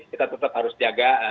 kita tetap harus jaga